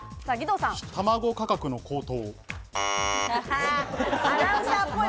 卵価格の高騰。